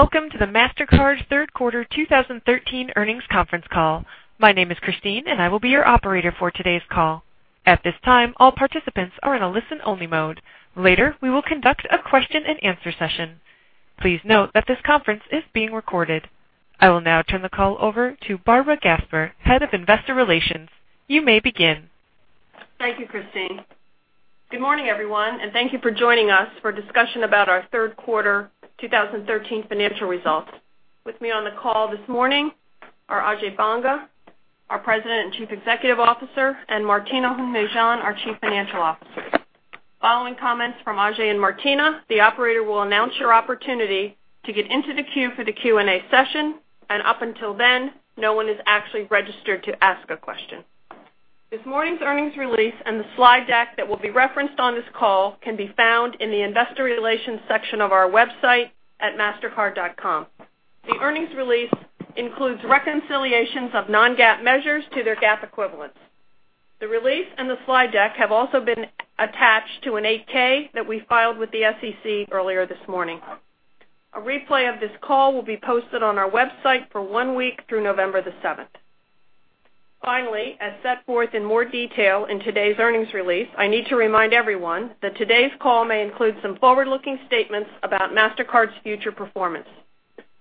Welcome to the Mastercard third quarter 2013 earnings conference call. My name is Christine, and I will be your operator for today's call. At this time, all participants are in a listen-only mode. Later, we will conduct a question-and-answer session. Please note that this conference is being recorded. I will now turn the call over to Barbara Gasper, Head of Investor Relations. You may begin. Thank you, Christine. Good morning, everyone, and thank you for joining us for a discussion about our third quarter 2013 financial results. With me on the call this morning are Ajay Banga, our President and Chief Executive Officer, and Martina Hund-Mejean, our Chief Financial Officer. Following comments from Ajay and Martina, the operator will announce your opportunity to get into the queue for the Q&A session. Up until then, no one is actually registered to ask a question. This morning's earnings release and the slide deck that will be referenced on this call can be found in the investor relations section of our website at mastercard.com. The earnings release includes reconciliations of non-GAAP measures to their GAAP equivalents. The release and the slide deck have also been attached to an 8-K that we filed with the SEC earlier this morning. A replay of this call will be posted on our website for one week through November the 7th. Finally, as set forth in more detail in today's earnings release, I need to remind everyone that today's call may include some forward-looking statements about Mastercard's future performance.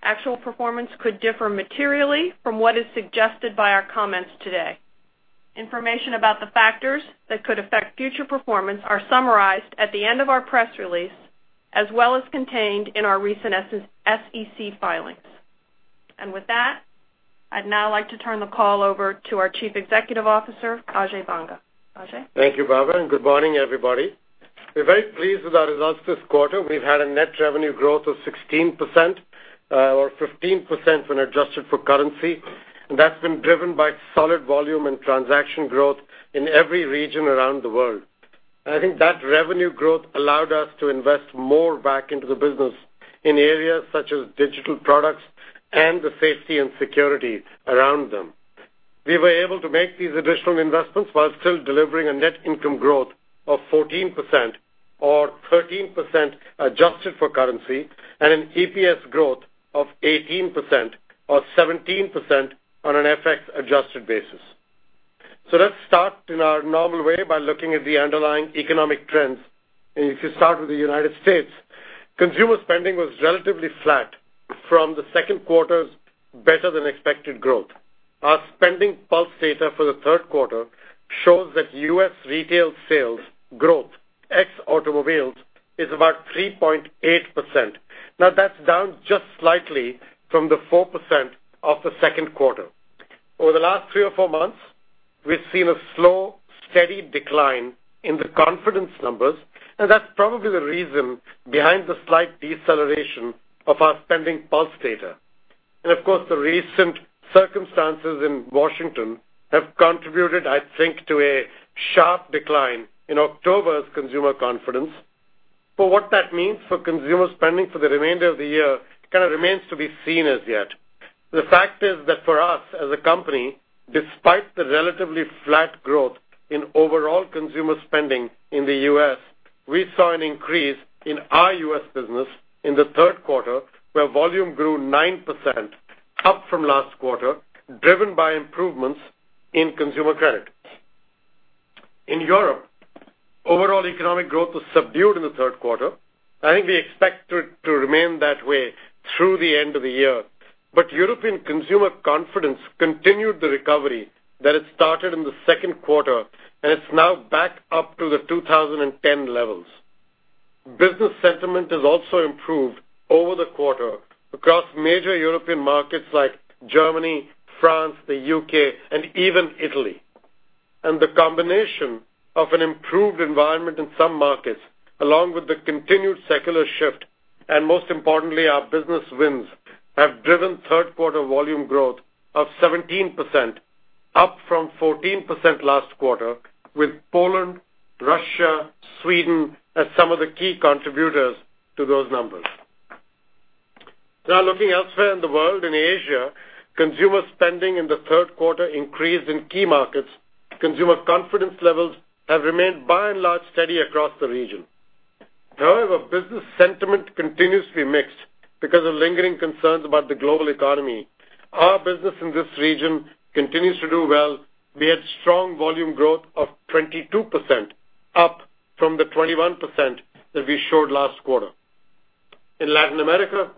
Actual performance could differ materially from what is suggested by our comments today. Information about the factors that could affect future performance are summarized at the end of our press release, as well as contained in our recent SEC filings. With that, I'd now like to turn the call over to our Chief Executive Officer, Ajay Banga. Ajay? Thank you, Barbara, and good morning, everybody. We're very pleased with our results this quarter. We've had a net revenue growth of 16%, or 15% when adjusted for currency. That's been driven by solid volume and transaction growth in every region around the world. I think that revenue growth allowed us to invest more back into the business in areas such as digital products and the safety and security around them. We were able to make these additional investments while still delivering a net income growth of 14%, or 13% adjusted for currency, and an EPS growth of 18%, or 17% on an FX adjusted basis. Let's start in our normal way by looking at the underlying economic trends. If you start with the United States, consumer spending was relatively flat from the second quarter's better-than-expected growth. Our SpendingPulse data for the third quarter shows that U.S. retail sales growth, ex automobiles, is about 3.8%. That's down just slightly from the 4% of the second quarter. Over the last three or four months, we've seen a slow, steady decline in the confidence numbers, and that's probably the reason behind the slight deceleration of our SpendingPulse data. The recent circumstances in Washington have contributed, I think, to a sharp decline in October's consumer confidence. What that means for consumer spending for the remainder of the year kind of remains to be seen as yet. The fact is that for us as a company, despite the relatively flat growth in overall consumer spending in the U.S., we saw an increase in our U.S. business in the third quarter, where volume grew 9% up from last quarter, driven by improvements in consumer credit. In Europe, overall economic growth was subdued in the third quarter. I think we expect it to remain that way through the end of the year. European consumer confidence continued the recovery that it started in the second quarter, and it's now back up to the 2010 levels. Business sentiment has also improved over the quarter across major European markets like Germany, France, the U.K., and even Italy. The combination of an improved environment in some markets, along with the continued secular shift, and most importantly, our business wins, have driven third-quarter volume growth of 17%, up from 14% last quarter, with Poland, Russia, Sweden as some of the key contributors to those numbers. Looking elsewhere in the world, in Asia, consumer spending in the third quarter increased in key markets. Consumer confidence levels have remained by and large steady across the region. However, business sentiment continues to be mixed because of lingering concerns about the global economy. Our business in this region continues to do well, we had strong volume growth of 22%, up from the 21% that we showed last quarter. In Latin America,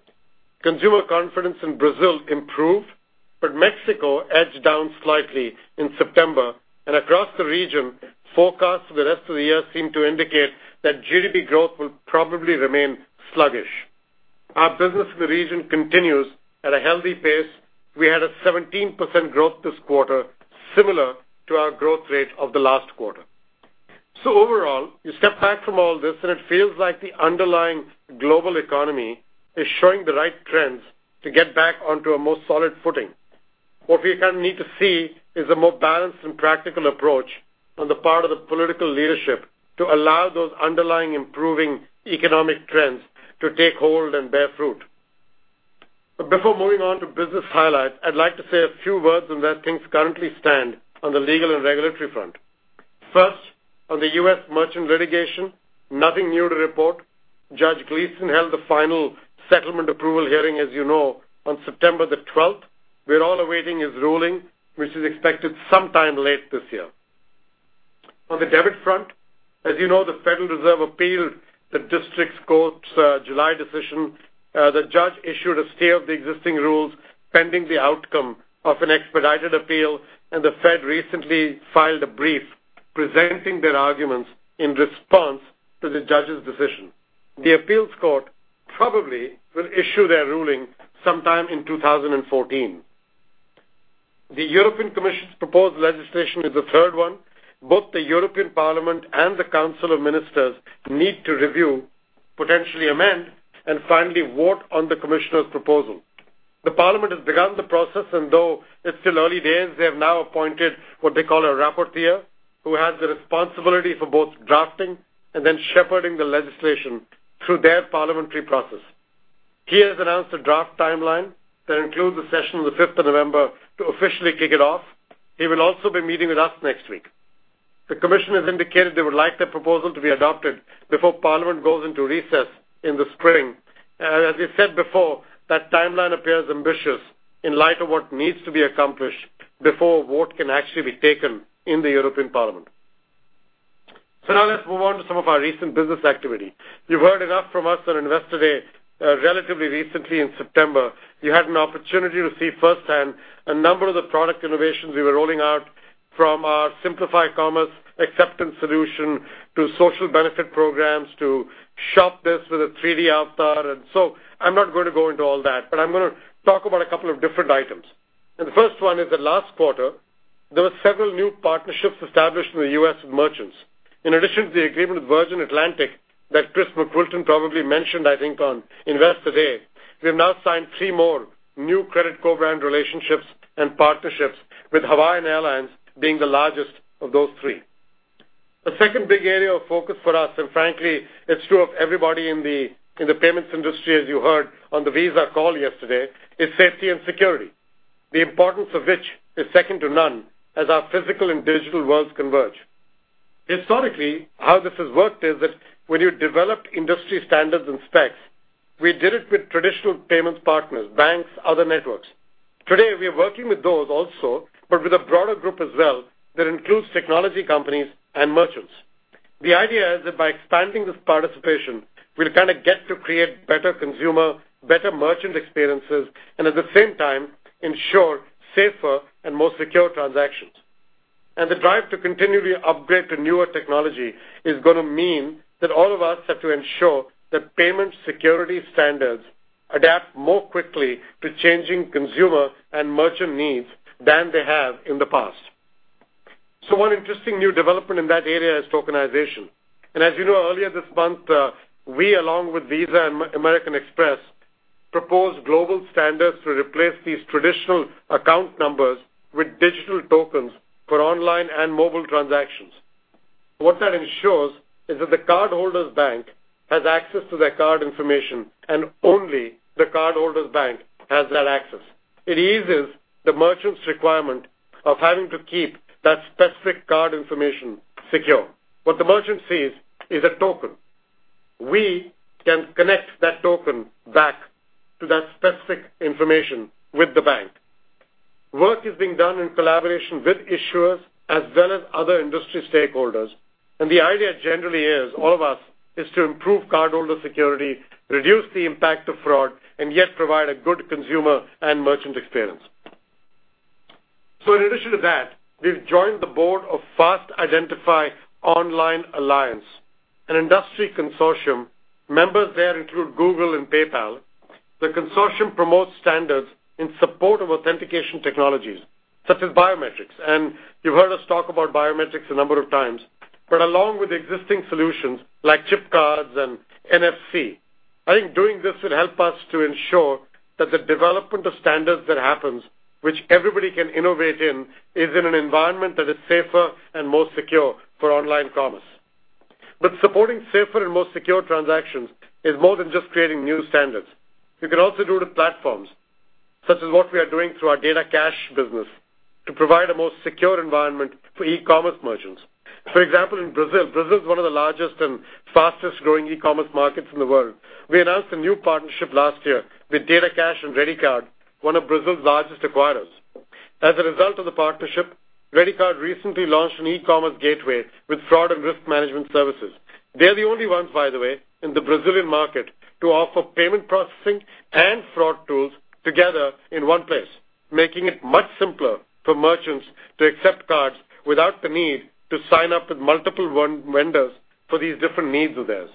consumer confidence in Brazil improved, but Mexico edged down slightly in September. Across the region, forecasts for the rest of the year seem to indicate that GDP growth will probably remain sluggish. Our business in the region continues at a healthy pace. We had a 17% growth this quarter, similar to our growth rate of the last quarter. Overall, you step back from all this and it feels like the underlying global economy is showing the right trends to get back onto a more solid footing. What we kind of need to see is a more balanced and practical approach on the part of the political leadership to allow those underlying improving economic trends to take hold and bear fruit. Before moving on to business highlights, I'd like to say a few words on where things currently stand on the legal and regulatory front. First, on the U.S. merchant litigation, nothing new to report. Judge Gleeson held the final settlement approval hearing, as you know, on September the 12th. We are all awaiting his ruling, which is expected sometime late this year. On the debit front, as you know, the Federal Reserve appealed the district court's July decision. The judge issued a stay of the existing rules pending the outcome of an expedited appeal, and the Fed recently filed a brief presenting their arguments in response to the judge's decision. The appeals court probably will issue their ruling sometime in 2014. The European Commission's proposed legislation is the third one. Both the European Parliament and the Council of Ministers need to review, potentially amend, and finally vote on the commissioner's proposal. The Parliament has begun the process, and though it's still early days, they have now appointed what they call a rapporteur, who has the responsibility for both drafting and then shepherding the legislation through their parliamentary process. He has announced a draft timeline that includes a session on the 5th of November to officially kick it off. He will also be meeting with us next week. The commission has indicated they would like the proposal to be adopted before Parliament goes into recess in the spring. As we said before, that timeline appears ambitious in light of what needs to be accomplished before a vote can actually be taken in the European Parliament. Now let's move on to some of our recent business activity. You've heard enough from us on Investor Day. Relatively recently in September, you had an opportunity to see firsthand a number of the product innovations we were rolling out from our simplified commerce acceptance solution to social benefit programs to shop this with a 3D avatar. I'm not going to go into all that, but I'm going to talk about a couple of different items. The first one is that last quarter, there were several new partnerships established in the U.S. with merchants. In addition to the agreement with Virgin Atlantic that Chris McWilton probably mentioned, I think on Investor Day, we have now signed three more new credit co-brand relationships and partnerships with Hawaiian Airlines being the largest of those three. The second big area of focus for us, and frankly, it's true of everybody in the payments industry, as you heard on the Visa call yesterday, is safety and security, the importance of which is second to none as our physical and digital worlds converge. Historically, how this has worked is that when you developed industry standards and specs, we did it with traditional payments partners, banks, other networks. Today, we are working with those also, but with a broader group as well that includes technology companies and merchants. The idea is that by expanding this participation, we'll get to create better consumer, better merchant experiences, and at the same time ensure safer and more secure transactions. The drive to continually upgrade to newer technology is going to mean that all of us have to ensure that payment security standards adapt more quickly to changing consumer and merchant needs than they have in the past. One interesting new development in that area is tokenization. As you know, earlier this month, we along with Visa and American Express, proposed global standards to replace these traditional account numbers with digital tokens for online and mobile transactions. What that ensures is that the cardholder's bank has access to their card information and only the cardholder's bank has that access. It eases the merchant's requirement of having to keep that specific card information secure. What the merchant sees is a token. We can connect that token back to that specific information with the bank. Work is being done in collaboration with issuers as well as other industry stakeholders. The idea generally is all of us is to improve cardholder security, reduce the impact of fraud, and yet provide a good consumer and merchant experience. In addition to that, we've joined the board of FIDO Alliance, an industry consortium. Members there include Google and PayPal. The consortium promotes standards in support of authentication technologies such as biometrics. You've heard us talk about biometrics a number of times, but along with existing solutions like chip cards and NFC, I think doing this will help us to ensure that the development of standards that happens, which everybody can innovate in, is in an environment that is safer and more secure for online commerce. Supporting safer and more secure transactions is more than just creating new standards. You can also do it with platforms, such as what we are doing through our DataCash business to provide a more secure environment for e-commerce merchants. For example, in Brazil is one of the largest and fastest-growing e-commerce markets in the world. We announced a new partnership last year with DataCash and Rede, one of Brazil's largest acquirers. As a result of the partnership, Rede recently launched an e-commerce gateway with fraud and risk management services. They are the only ones, by the way, in the Brazilian market to offer payment processing and fraud tools together in one place, making it much simpler for merchants to accept cards without the need to sign up with multiple vendors for these different needs of theirs.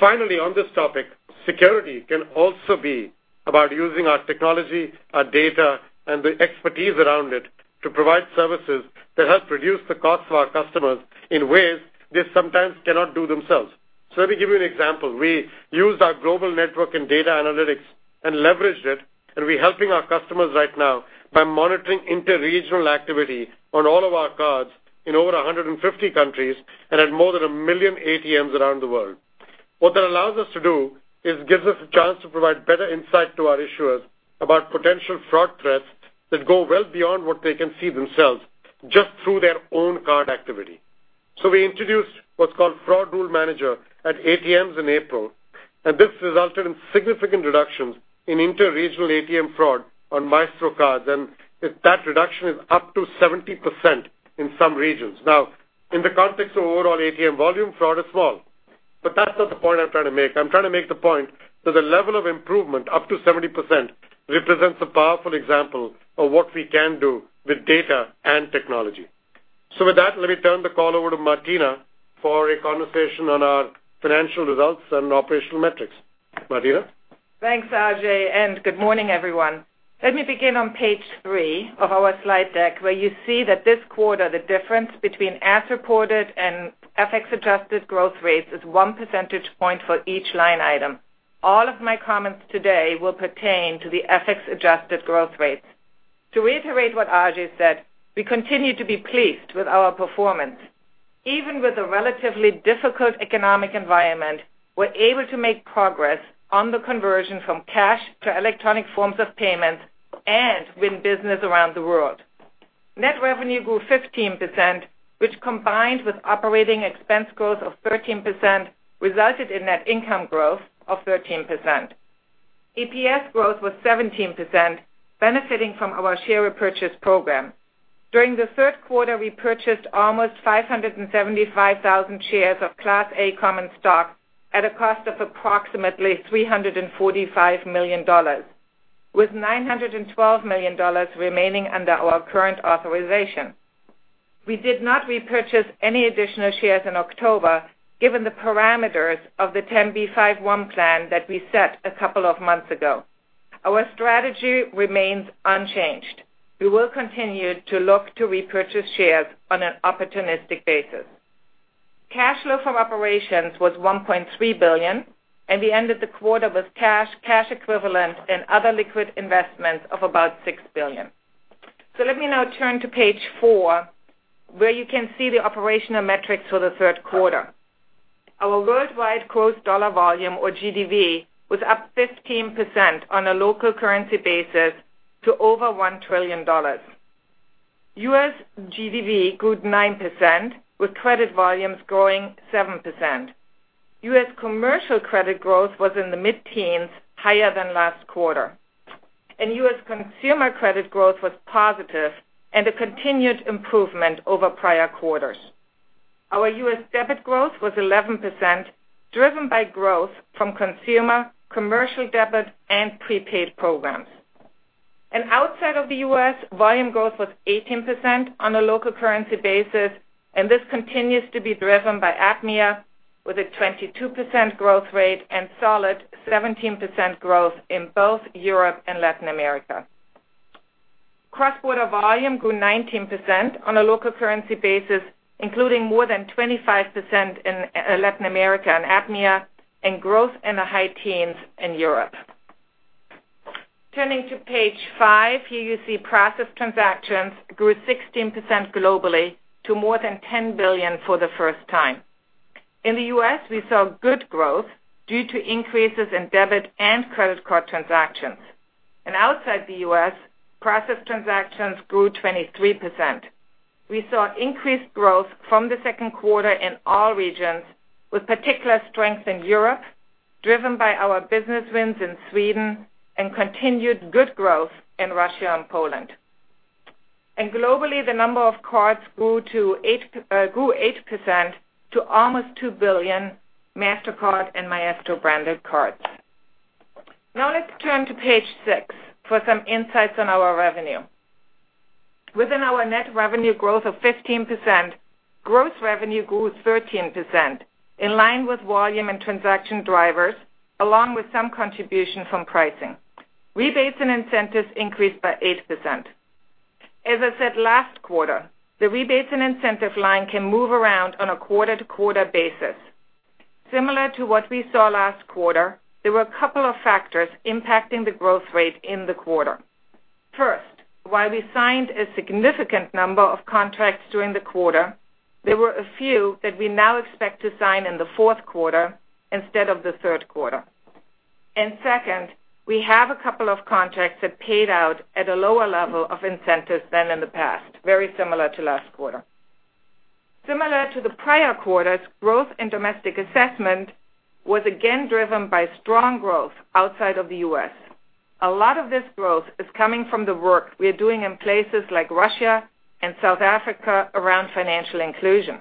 Finally, on this topic, security can also be about using our technology, our data, and the expertise around it to provide services that help reduce the cost for our customers in ways they sometimes cannot do themselves. Let me give you an example. We used our global network and data analytics and leveraged it, and we're helping our customers right now by monitoring inter-regional activity on all of our cards in over 150 countries and at more than a million ATMs around the world. What that allows us to do is gives us a chance to provide better insight to our issuers about potential fraud threats that go well beyond what they can see themselves just through their own card activity. We introduced what's called Fraud Rule Manager at ATMs in April, and this resulted in significant reductions in inter-regional ATM fraud on Maestro cards, and that reduction is up to 70% in some regions. In the context of overall ATM volume, fraud is small. That's not the point I'm trying to make. I'm trying to make the point that the level of improvement, up to 70%, represents a powerful example of what we can do with data and technology. With that, let me turn the call over to Martina for a conversation on our financial results and operational metrics. Martina? Thanks, Ajay, good morning, everyone. Let me begin on page three of our slide deck, where you see that this quarter, the difference between as-reported and FX-adjusted growth rates is one percentage point for each line item. All of my comments today will pertain to the FX-adjusted growth rates. To reiterate what Ajay said, we continue to be pleased with our performance. Even with a relatively difficult economic environment, we're able to make progress on the conversion from cash to electronic forms of payments and win business around the world. Net revenue grew 15%, which combined with operating expense growth of 13%, resulted in net income growth of 13%. EPS growth was 17%, benefiting from our share repurchase program. During the third quarter, we purchased almost 575,000 shares of Class A common stock at a cost of approximately $345 million, with $912 million remaining under our current authorization. We did not repurchase any additional shares in October, given the parameters of the 10b5-1 plan that we set a couple of months ago. Our strategy remains unchanged. We will continue to look to repurchase shares on an opportunistic basis. Cash flow from operations was $1.3 billion, we ended the quarter with cash equivalents, and other liquid investments of about $6 billion. Let me now turn to page four, where you can see the operational metrics for the third quarter. Our worldwide gross dollar volume, or GDV, was up 15% on a local currency basis to over $1 trillion. U.S. GDV grew 9%, with credit volumes growing 7%. U.S. commercial credit growth was in the mid-teens, higher than last quarter. U.S. consumer credit growth was positive and a continued improvement over prior quarters. Our U.S. debit growth was 11%, driven by growth from consumer, commercial debit and prepaid programs. Outside of the U.S., volume growth was 18% on a local currency basis, and this continues to be driven by APMEA, with a 22% growth rate and solid 17% growth in both Europe and Latin America. Cross-border volume grew 19% on a local currency basis, including more than 25% in Latin America and APMEA, and growth in the high teens in Europe. Turning to page five, here you see processed transactions grew 16% globally to more than 10 billion for the first time. In the U.S., we saw good growth due to increases in debit and credit card transactions. Outside the U.S., processed transactions grew 23%. We saw increased growth from the second quarter in all regions, with particular strength in Europe, driven by our business wins in Sweden and continued good growth in Russia and Poland. Globally, the number of cards grew 8% to almost 2 billion Mastercard and Maestro-branded cards. Now let's turn to page six for some insights on our revenue. Within our net revenue growth of 15%, gross revenue grew 13%, in line with volume and transaction drivers, along with some contribution from pricing. Rebates and incentives increased by 8%. As I said last quarter, the rebates and incentives line can move around on a quarter-to-quarter basis. Similar to what we saw last quarter, there were a couple of factors impacting the growth rate in the quarter. First, while we signed a significant number of contracts during the quarter, there were a few that we now expect to sign in the fourth quarter instead of the third quarter. Second, we have a couple of contracts that paid out at a lower level of incentives than in the past, very similar to last quarter. Similar to the prior quarters, growth in domestic assessment was again driven by strong growth outside of the U.S. This growth is coming from the work we're doing in places like Russia and South Africa around financial inclusion.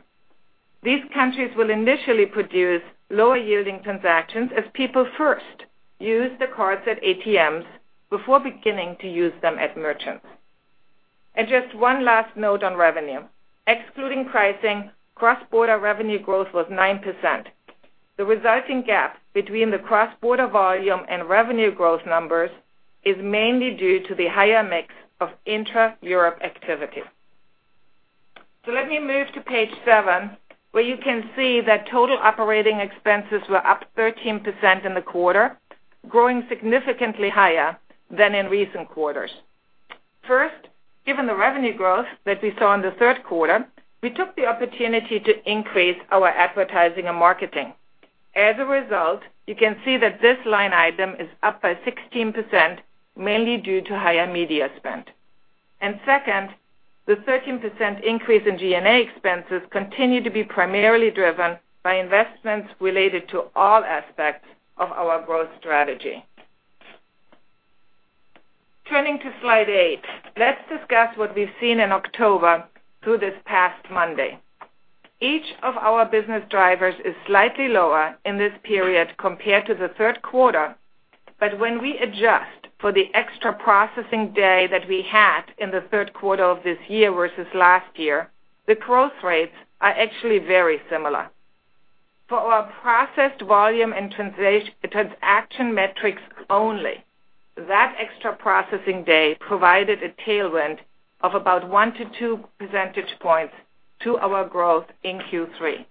These countries will initially produce lower-yielding transactions as people first use the cards at ATMs before beginning to use them at merchants. Just one last note on revenue. Excluding pricing, cross-border revenue growth was 9%. The resulting gap between the cross-border volume and revenue growth numbers is mainly due to the higher mix of intra-Europe activity. Let me move to page seven, where you can see that total operating expenses were up 13% in the quarter, growing significantly higher than in recent quarters. First, given the revenue growth that we saw in the third quarter, we took the opportunity to increase our advertising and marketing. As a result, you can see that this line item is up by 16%, mainly due to higher media spend. Second, the 13% increase in G&A expenses continue to be primarily driven by investments related to all aspects of our growth strategy. Turning to Slide 8, let's discuss what we've seen in October through this past Monday. Each of our business drivers is slightly lower in this period compared to the third quarter, but when we adjust for the extra processing day that we had in the third quarter of this year versus last year, the growth rates are actually very similar. For our processed volume and transaction metrics only, that extra processing day provided a tailwind of about one to two percentage points to our growth in Q3.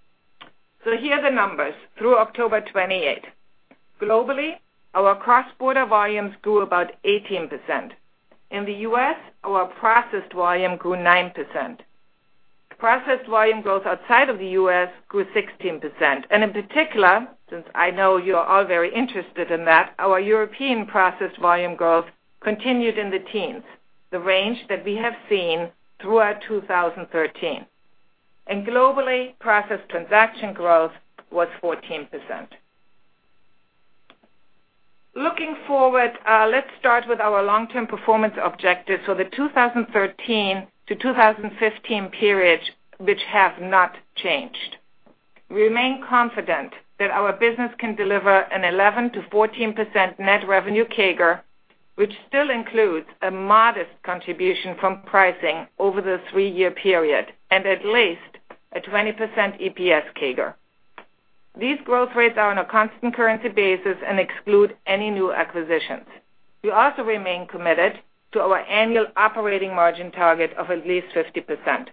Here are the numbers through October 28th. Globally, our cross-border volumes grew about 18%. In the U.S., our processed volume grew 9%. Processed volume growth outside of the U.S. grew 16%. In particular, since I know you are all very interested in that, our European processed volume growth continued in the teens, the range that we have seen throughout 2013. Globally, processed transaction growth was 14%. Looking forward, let's start with our long-term performance objectives for the 2013 to 2015 period, which have not changed. We remain confident that our business can deliver an 11%-14% net revenue CAGR, which still includes a modest contribution from pricing over the three-year period, and at least a 20% EPS CAGR. These growth rates are on a constant currency basis and exclude any new acquisitions. We also remain committed to our annual operating margin target of at least 50%.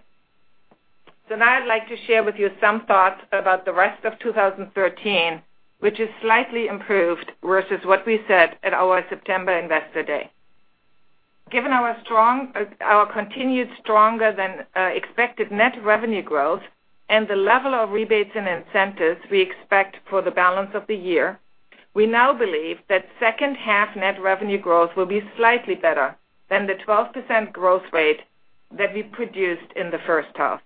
Now I'd like to share with you some thoughts about the rest of 2013, which is slightly improved versus what we said at our September Investor Day. Given our continued stronger than expected net revenue growth and the level of rebates and incentives we expect for the balance of the year, we now believe that second half net revenue growth will be slightly better than the 12% growth rate that we produced in the first half.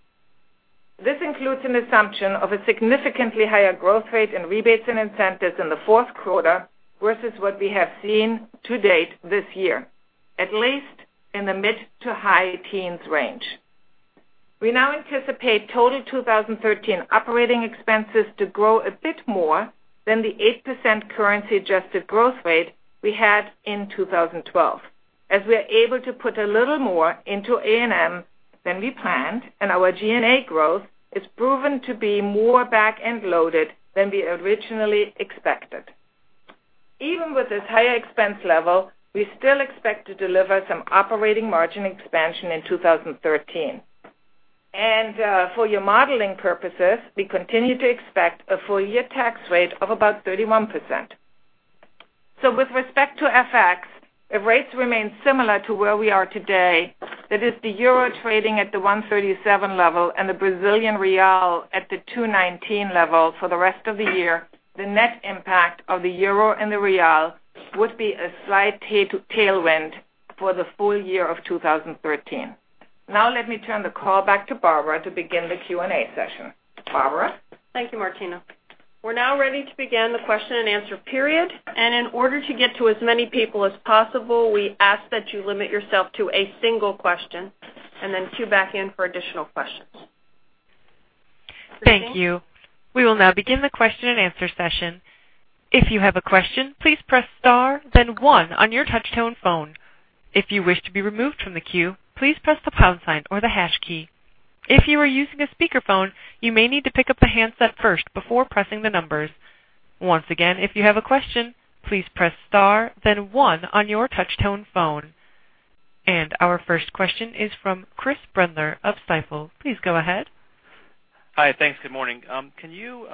This includes an assumption of a significantly higher growth rate in rebates and incentives in the fourth quarter versus what we have seen to date this year, at least in the mid to high teens range. We now anticipate total 2013 operating expenses to grow a bit more than the 8% currency-adjusted growth rate we had in 2012, as we are able to put a little more into A&M than we planned, and our G&A growth is proven to be more back-end loaded than we originally expected. Even with this higher expense level, we still expect to deliver some operating margin expansion in 2013. For your modeling purposes, we continue to expect a full-year tax rate of about 31%. With respect to FX, if rates remain similar to where we are today, that is the euro trading at the 1.37 level and the Brazilian real at the 2.19 level for the rest of the year, the net impact of the euro and the real would be a slight tailwind for the full year of 2013. Let me turn the call back to Barbara to begin the Q&A session. Barbara? Thank you, Martina. We're ready to begin the question and answer period. In order to get to as many people as possible, we ask that you limit yourself to a single question and then queue back in for additional questions. Christine? Thank you. We will begin the question and answer session. If you have a question, please press star, then one on your touch-tone phone. If you wish to be removed from the queue, please press the pound sign or the hash key. If you are using a speakerphone, you may need to pick up the handset first before pressing the numbers. Once again, if you have a question, please press star, then one on your touch-tone phone. Our first question is from Chris Brendler of Stifel. Please go ahead. Hi. Thanks. Good morning. Can you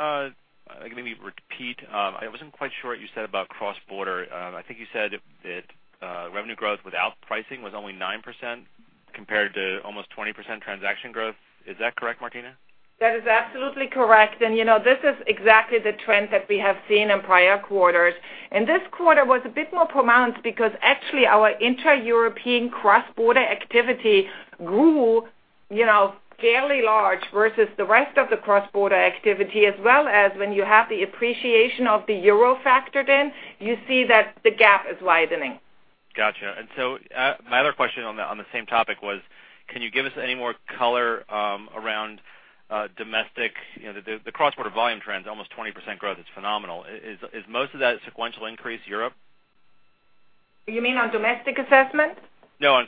maybe repeat, I wasn't quite sure what you said about cross-border. I think you said that revenue growth without pricing was only 9% compared to almost 20% transaction growth. Is that correct, Martina? That is absolutely correct. This is exactly the trend that we have seen in prior quarters. This quarter was a bit more pronounced because actually our intra-European cross-border activity grew fairly large versus the rest of the cross-border activity, as well as when you have the appreciation of the euro factored in, you see that the gap is widening. Got you. My other question on the same topic was, can you give us any more color around the cross-border volume trends, almost 20% growth, it's phenomenal. Is most of that sequential increase Europe? You mean on domestic assessment? No,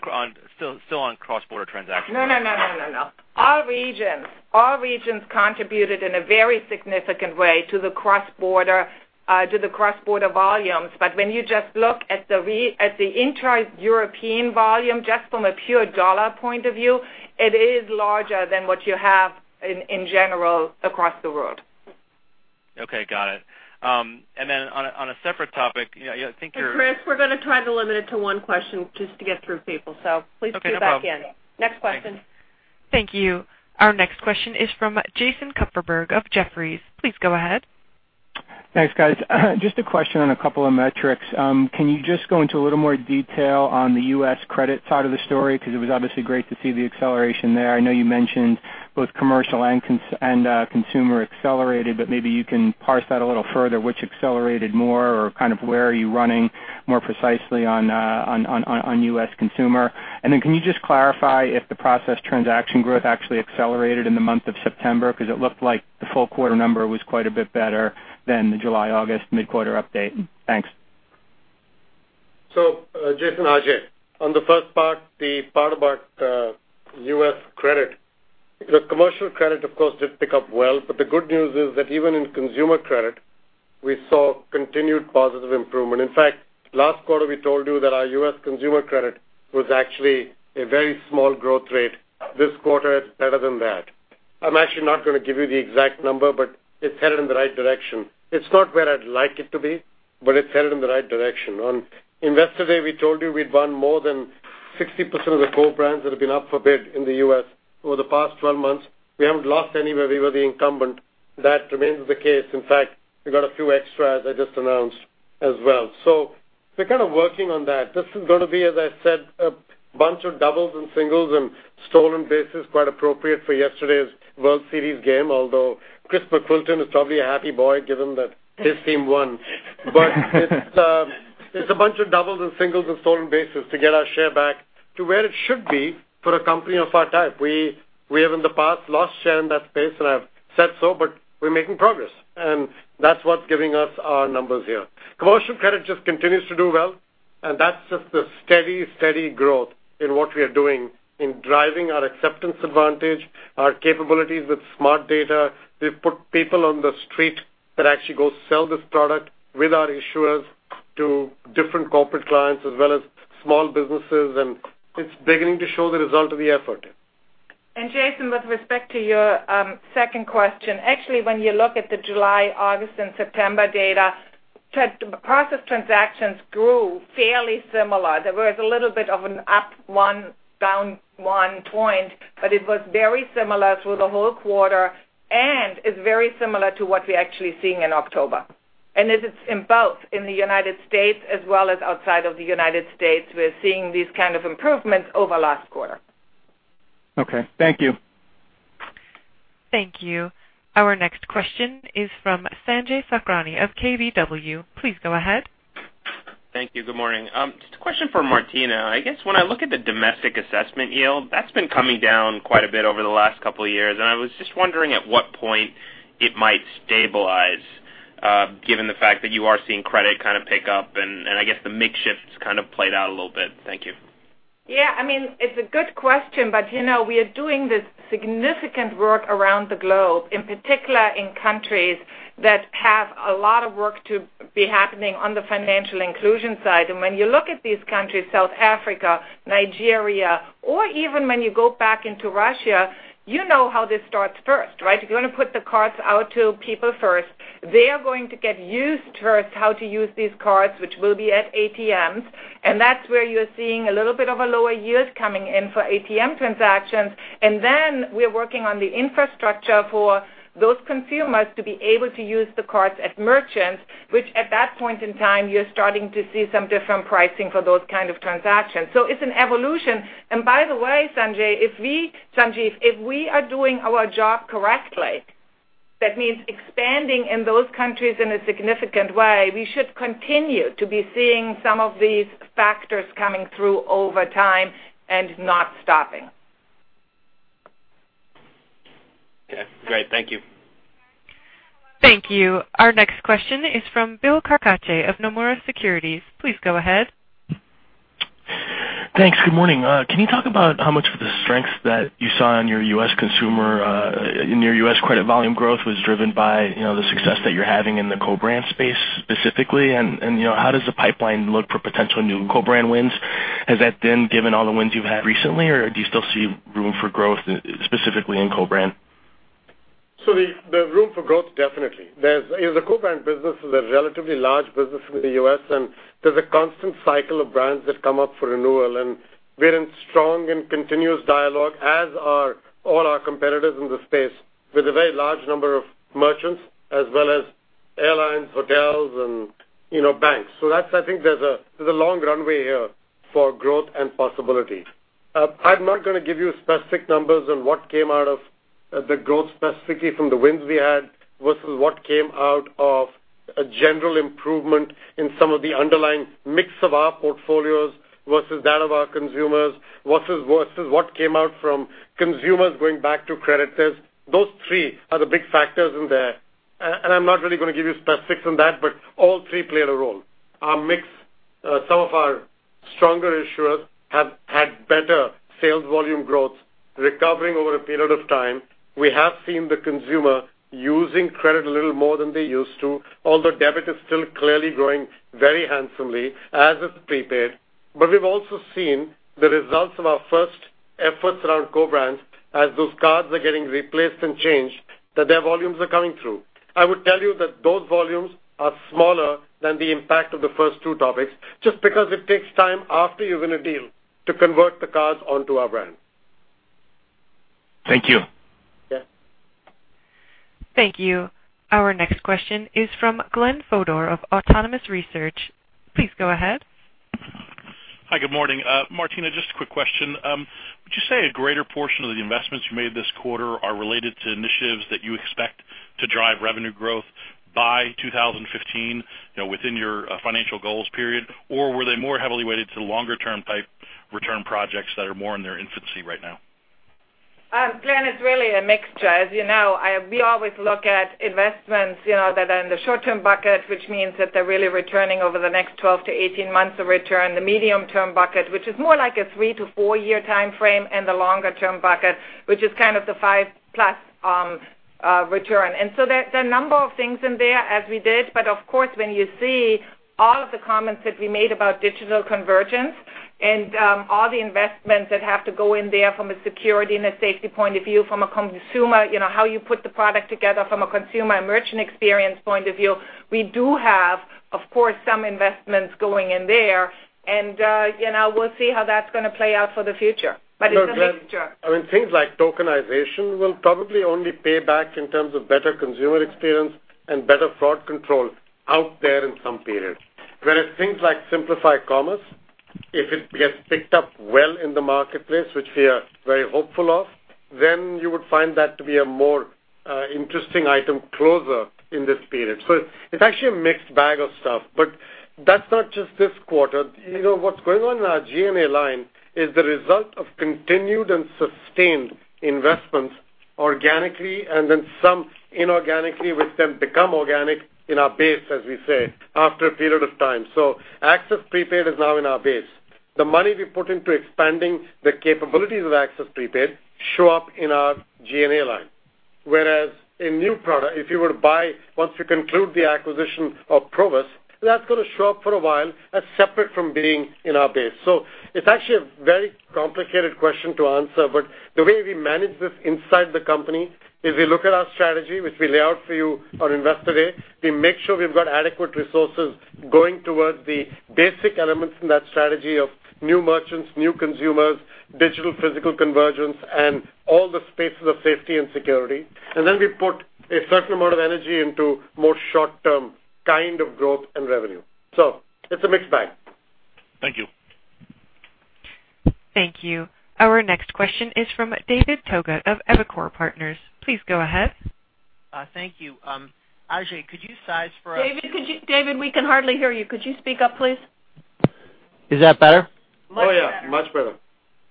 still on cross-border transactions. No. All regions contributed in a very significant way to the cross-border volumes. When you just look at the intra-European volume, just from a pure dollar point of view, it is larger than what you have in general across the world. Okay, got it. On a separate topic. Chris, we're going to try to limit it to one question just to get through people, so please queue back in. Okay, no problem. Next question. Thank you. Our next question is from Jason Kupferberg of Jefferies. Please go ahead. Thanks, guys. Just a question on a couple of metrics. Can you just go into a little more detail on the U.S. credit side of the story? It was obviously great to see the acceleration there. I know you mentioned both commercial and consumer accelerated, but maybe you can parse that a little further. Which accelerated more or kind of where are you running more precisely on U.S. consumer? Can you just clarify if the process transaction growth actually accelerated in the month of September? It looked like the full quarter number was quite a bit better than the July-August mid-quarter update. Thanks. Jason, Ajay. On the first part, the part about U.S. credit, the commercial credit, of course, did pick up well, but the good news is that even in consumer credit, we saw continued positive improvement. In fact, last quarter, we told you that our U.S. consumer credit was actually a very small growth rate. This quarter, it's better than that. I'm actually not going to give you the exact number, but it's headed in the right direction. It's not where I'd like it to be, but it's headed in the right direction. On Investor Day, we told you we'd won more than 60% of the co-brands that have been up for bid in the U.S. over the past 12 months. We haven't lost any where we were the incumbent. That remains the case. In fact, we got a few extras I just announced as well. We're kind of working on that. This is going to be, as I said, a bunch of doubles and singles and stolen bases, quite appropriate for yesterday's World Series game. Although Chris McWilton is probably a happy boy given that his team won. It's a bunch of doubles and singles and stolen bases to get our share back to where it should be for a company of our type. We have in the past lost share in that space, and I've said so, we're making progress, and that's what's giving us our numbers here. Commercial credit just continues to do well, and that's just the steady growth in what we are doing in driving our acceptance advantage, our capabilities with Smart Data. We've put people on the street that actually go sell this product with our issuers to different corporate clients as well as small businesses, and it's beginning to show the result of the effort. Jason, with respect to your second question, actually, when you look at the July, August, and September data, process transactions grew fairly similar. There was a little bit of an up one, down one point, it was very similar through the whole quarter, and it's very similar to what we're actually seeing in October. It's in both in the U.S. as well as outside of the U.S. We're seeing these kind of improvements over last quarter. Okay, thank you. Thank you. Our next question is from Sanjay Sakhrani of KBW. Please go ahead. Thank you. Good morning. Just a question for Martina. I guess when I look at the domestic assessment yield, that's been coming down quite a bit over the last couple of years, and I was just wondering at what point it might stabilize, given the fact that you are seeing credit kind of pick up and I guess the mix shift's kind of played out a little bit. Thank you. Yeah, it's a good question, but we are doing this significant work around the globe, in particular in countries that have a lot of work to be happening on the financial inclusion side. When you look at these countries, South Africa, Nigeria, or even when you go back into Russia, you know how this starts first, right? If you want to put the cards out to people first, they are going to get used first how to use these cards, which will be at ATMs. That's where you're seeing a little bit of a lower yield coming in for ATM transactions. Then we're working on the infrastructure for those consumers to be able to use the cards at merchants, which at that point in time, you're starting to see some different pricing for those kind of transactions. It's an evolution. By the way, Sanjay, if we are doing our job correctly, that means expanding in those countries in a significant way, we should continue to be seeing some of these factors coming through over time and not stopping. Okay, great. Thank you. Thank you. Our next question is from Bill Carcache of Nomura Securities. Please go ahead. Thanks. Good morning. Can you talk about how much of the strength that you saw in your U.S. consumer, in your U.S. credit volume growth was driven by the success that you're having in the co-brand space specifically? How does the pipeline look for potential new co-brand wins? Has that been given all the wins you've had recently, or do you still see room for growth specifically in co-brand? The room for growth, definitely. The co-brand business is a relatively large business in the U.S., there's a constant cycle of brands that come up for renewal, we're in strong and continuous dialogue, as are all our competitors in the space with a very large number of merchants as well as airlines, hotels, and banks. I think there's a long runway here for growth and possibility. I'm not going to give you specific numbers on what came out of the growth specifically from the wins we had versus what came out of a general improvement in some of the underlying mix of our portfolios versus that of our consumers versus what came out from consumers going back to credit. Those three are the big factors in there, and I'm not really going to give you specifics on that, but all three played a role. Our mix, some of our stronger issuers have had better sales volume growth recovering over a period of time. We have seen the consumer using credit a little more than they used to, although debit is still clearly growing very handsomely, as is prepaid. We've also seen the results of our first efforts around co-brands as those cards are getting replaced and changed, that their volumes are coming through. I would tell you that those volumes are smaller than the impact of the first two topics, just because it takes time after you win a deal to convert the cards onto our brand. Thank you. Yes. Thank you. Our next question is from Glenn Fodor of Autonomous Research. Please go ahead. Hi, good morning. Martina, just a quick question. Would you say a greater portion of the investments you made this quarter are related to initiatives that you expect to drive revenue growth by 2015 within your financial goals period, or were they more heavily weighted to longer term type return projects that are more in their infancy right now? Glenn, it's really a mixture. As you know, we always look at investments that are in the short-term bucket, which means that they're really returning over the next 12 to 18 months of return, the medium-term bucket, which is more like a three to four-year timeframe, and the longer-term bucket, which is kind of the five-plus return. There are a number of things in there as we did, but of course, when you see all of the comments that we made about digital convergence and all the investments that have to go in there from a security and a safety point of view, from a consumer, how you put the product together from a consumer and merchant experience point of view, we do have, of course, some investments going in there. We'll see how that's going to play out for the future. It's a mixture. I mean, things like tokenization will probably only pay back in terms of better consumer experience and better fraud control out there in some period. Whereas things like Simplify Commerce, if it gets picked up well in the marketplace, which we are very hopeful of, then you would find that to be a more interesting item closer in this period. It's actually a mixed bag of stuff, but that's not just this quarter. What's going on in our G&A line is the result of continued and sustained investments organically and then some inorganically, which then become organic in our base, as we say, after a period of time. Access Prepaid is now in our base. The money we put into expanding the capabilities of Access Prepaid show up in our G&A line. Whereas a new product, if you were to buy, once you conclude the acquisition of Provus, that's going to show up for a while as separate from being in our base. It's actually a very complicated question to answer, but the way we manage this inside the company is we look at our strategy, which we lay out for you on Investor Day. We make sure we've got adequate resources going towards the basic elements in that strategy of new merchants, new consumers, digital physical convergence, and all the spaces of safety and security. Then we put a certain amount of energy into more short-term kind of growth and revenue. It's a mixed bag. Thank you. Thank you. Our next question is from David Togut of Evercore Partners. Please go ahead. Thank you. Ajay, could you size for us- David, we can hardly hear you. Could you speak up, please? Is that better? Oh, yeah, much better.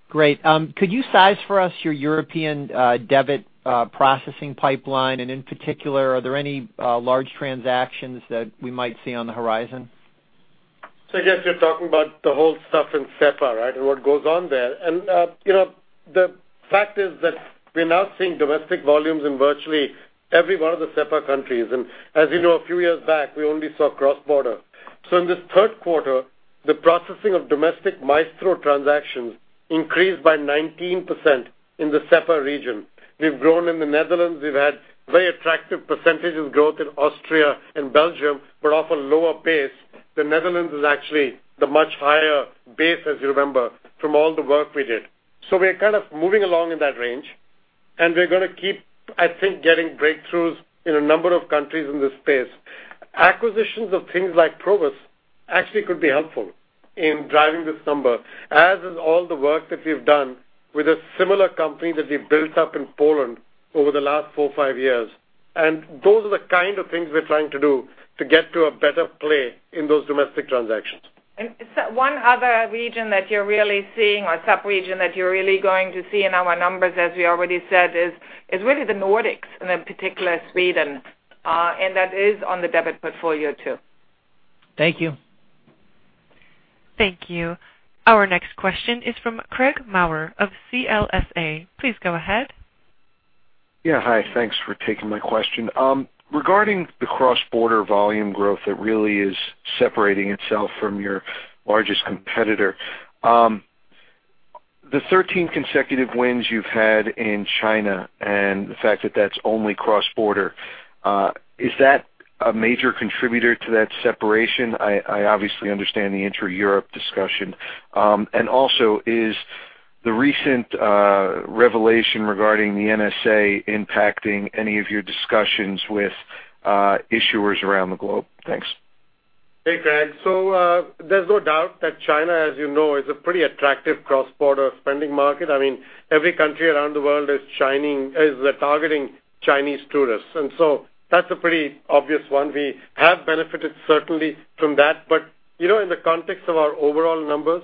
Great. Could you size for us your European debit processing pipeline, and in particular, are there any large transactions that we might see on the horizon? Yes, you're talking about the whole stuff in SEPA, right, and what goes on there. The fact is that we're now seeing domestic volumes in virtually every one of the SEPA countries. As you know, a few years back, we only saw cross-border. In this third quarter, the processing of domestic Maestro transactions increased by 19% in the SEPA region. We've grown in the Netherlands. We've had very attractive percentages growth in Austria and Belgium, but off a lower base. The Netherlands is actually the much higher base, as you remember, from all the work we did. We are kind of moving along in that range, and we're going to keep, I think, getting breakthroughs in a number of countries in this space. Acquisitions of things like Provus actually could be helpful in driving this number, as is all the work that we've done with a similar company that we built up in Poland over the last four or five years. Those are the kind of things we're trying to do to get to a better play in those domestic transactions. One other region that you're really seeing or sub-region that you're really going to see in our numbers, as we already said, is really the Nordics and in particular Sweden, and that is on the debit portfolio too. Thank you. Thank you. Our next question is from Craig Maurer of CLSA. Please go ahead. Hi. Thanks for taking my question. Regarding the cross-border volume growth that really is separating itself from your largest competitor. The 13 consecutive wins you've had in China and the fact that that's only cross-border, is that a major contributor to that separation? I obviously understand the intra-Europe discussion. Is the recent revelation regarding the NSA impacting any of your discussions with issuers around the globe? Thanks. Craig. There's no doubt that China, as you know, is a pretty attractive cross-border spending market. I mean, every country around the world is targeting Chinese tourists, that's a pretty obvious one. We have benefited certainly from that. In the context of our overall numbers,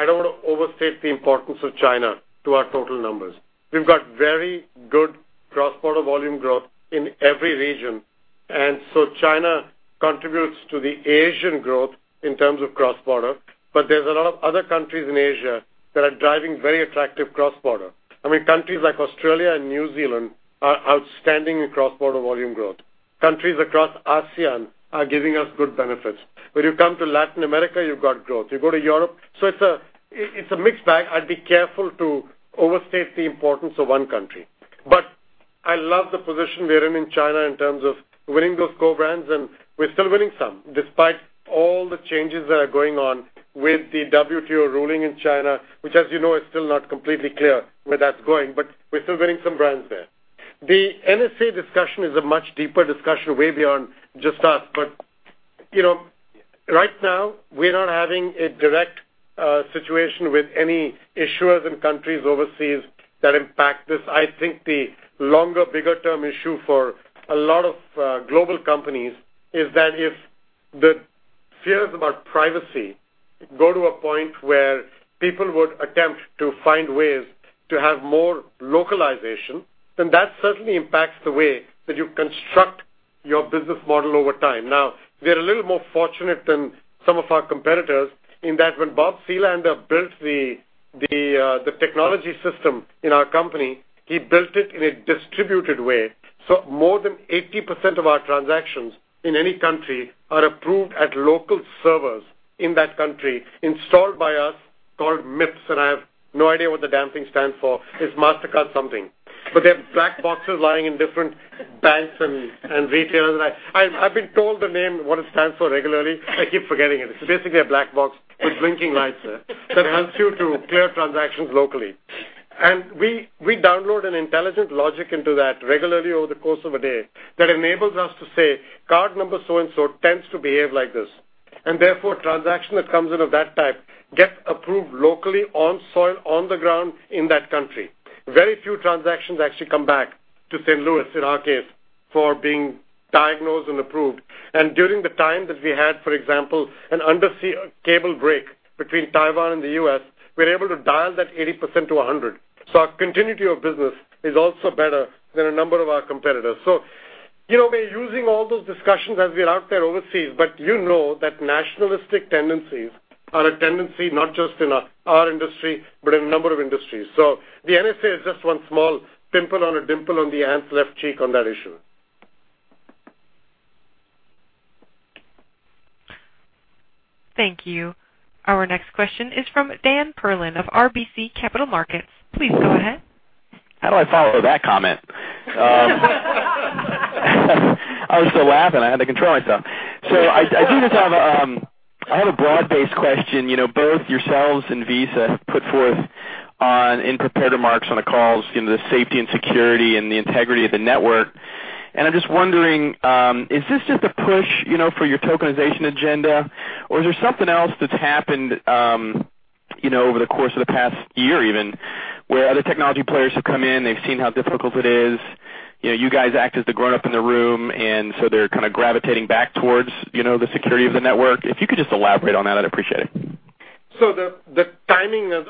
I don't want to overstate the importance of China to our total numbers. We've got very good cross-border volume growth in every region, China contributes to the Asian growth in terms of cross-border, there's a lot of other countries in Asia that are driving very attractive cross-border. Countries like Australia and New Zealand are outstanding across border volume growth. Countries across ASEAN are giving us good benefits. When you come to Latin America, you've got growth. You go to Europe. It's a mixed bag. I'd be careful to overstate the importance of one country. I love the position we are in China, in terms of winning those co-brands, and we're still winning some, despite all the changes that are going on with the WTO ruling in China, which as you know, is still not completely clear where that's going. We're still winning some brands there. The NSA discussion is a much deeper discussion way beyond just us. Right now, we are not having a direct situation with any issuers in countries overseas that impact this. I think the longer, bigger term issue for a lot of global companies is that if the fears about privacy go to a point where people would attempt to find ways to have more localization, then that certainly impacts the way that you construct your business model over time. We are a little more fortunate than some of our competitors in that when Robert Selander built the technology system in our company, he built it in a distributed way. More than 80% of our transactions in any country are approved at local servers in that country, installed by us, called MIPS, and I have no idea what the damn thing stands for. It's Mastercard something. They're black boxes lying in different banks and retailers. I've been told the name, what it stands for regularly. I keep forgetting it. It's basically a black box with blinking lights that helps you to clear transactions locally. We download an intelligent logic into that regularly over the course of a day that enables us to say, "Card number so and so tends to behave like this." Therefore, transaction that comes in of that type gets approved locally on soil, on the ground in that country. Very few transactions actually come back to St. Louis, in our case, for being diagnosed and approved. During the time that we had, for example, an undersea cable break between Taiwan and the U.S., we were able to dial that 80% to 100%. We're using all those discussions as we are out there overseas, but you know that nationalistic tendencies are a tendency not just in our industry, but in a number of industries. The NSA is just one small pimple on a dimple on the aunt's left cheek on that issue. Thank you. Our next question is from Dan Perlin of RBC Capital Markets. Please go ahead. How do I follow that comment? I was still laughing. I had to control myself. I do just have a broad-based question. Both yourselves and Visa have put forth on, in prepared remarks on the calls the safety and security and the integrity of the network. I'm just wondering, is this just a push for your tokenization agenda, or is there something else that's happened over the course of the past year even, where other technology players have come in, they've seen how difficult it is, you guys act as the grown-up in the room, they're kind of gravitating back towards the security of the network? If you could just elaborate on that, I'd appreciate it. The timing of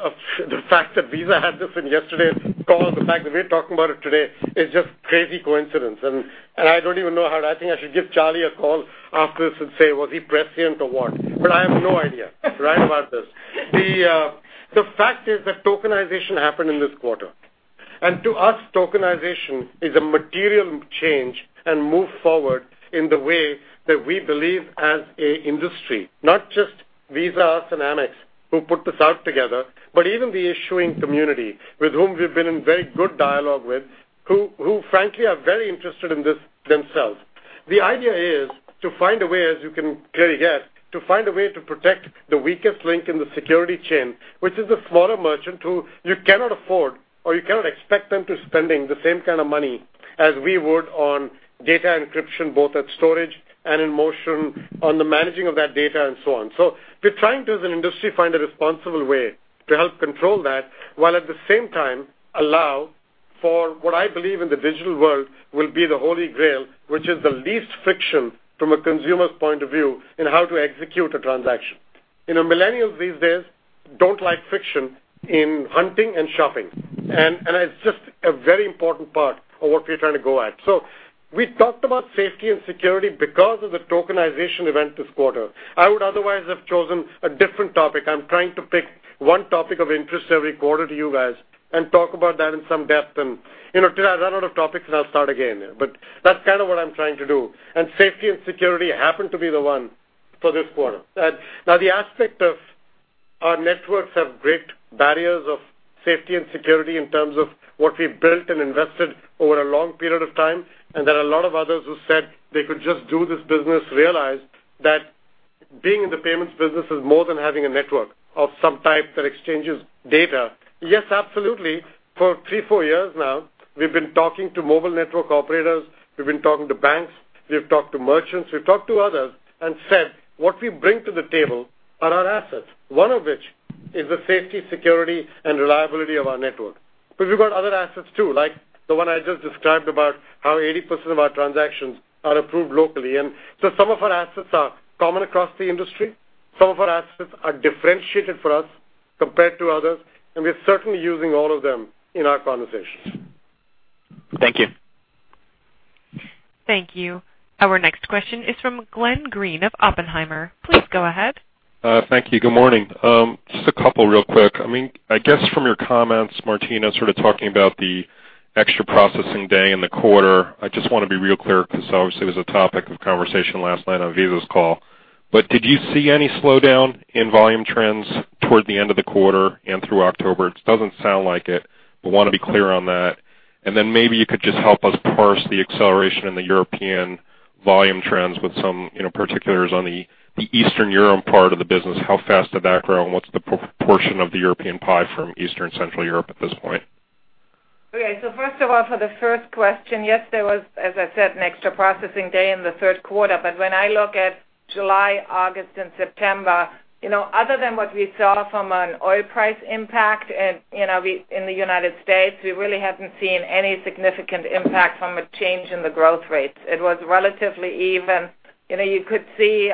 the fact that Visa had this in yesterday's call and the fact that we're talking about it today is just crazy coincidence. I don't even know how to. I think I should give Charlie a call after this and say, "Was he prescient or what." I have no idea right about this. The fact is that tokenization happened in this quarter. To us, tokenization is a material change and move forward in the way that we believe as an industry, not just Visa, us, and Amex who put this out together, but even the issuing community with whom we've been in very good dialogue with, who frankly are very interested in this themselves. The idea is to find a way, as you can clearly guess, to find a way to protect the weakest link in the security chain, which is the smaller merchant who you cannot afford or you cannot expect them to spending the same kind of money as we would on data encryption, both at storage and in motion on the managing of that data and so on. We're trying to, as an industry, find a responsible way to help control that, while at the same time allow for what I believe in the digital world will be the Holy Grail, which is the least friction from a consumer's point of view in how to execute a transaction. Millennials these days don't like friction in hunting and shopping. It's just a very important part of what we're trying to go at. We talked about safety and security because of the tokenization event this quarter. I would otherwise have chosen a different topic. I'm trying to pick one topic of interest every quarter to you guys and talk about that in some depth, till I run out of topics, then I'll start again. That's kind of what I'm trying to do. Safety and security happened to be the one for this quarter. The aspect of our networks have great barriers of safety and security in terms of what we've built and invested over a long period of time, and there are a lot of others who said they could just do this business realized that being in the payments business is more than having a network of some type that exchanges data. Yes, absolutely. For three, four years now, we've been talking to mobile network operators, we've been talking to banks, we've talked to merchants, we've talked to others and said what we bring to the table are our assets, one of which is the safety, security, and reliability of our network. We've got other assets too, like the one I just described about how 80% of our transactions are approved locally. Some of our assets are common across the industry. Some of our assets are differentiated for us compared to others, and we're certainly using all of them in our conversations. Thank you. Thank you. Our next question is from Glenn Greene of Oppenheimer. Please go ahead. Thank you. Good morning. Just a couple real quick. I guess from your comments, Martina, sort of talking about the extra processing day in the quarter, I just want to be real clear because obviously it was a topic of conversation last night on Visa's call. Did you see any slowdown in volume trends toward the end of the quarter and through October? It doesn't sound like it, but want to be clear on that. Maybe you could just help us parse the acceleration in the European volume trends with some particulars on the Eastern Europe part of the business. How fast are they growing? What's the proportion of the European pie from Eastern Central Europe at this point? First of all, for the first question, yes, there was, as I said, an extra processing day in the third quarter. When I look at July, August, and September, other than what we saw from an oil price impact in the United States, we really haven't seen any significant impact from a change in the growth rates. It was relatively even. You could see,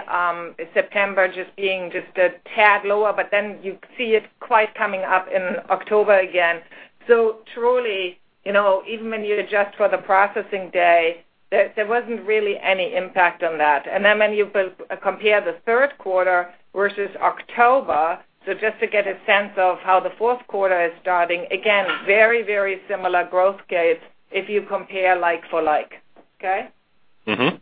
September just being just a tad lower, but then you see it quite coming up in October again. Truly, even when you adjust for the processing day, there wasn't really any impact on that. When you compare the third quarter versus October, just to get a sense of how the fourth quarter is starting, again, very similar growth rates if you compare like for like. Okay? On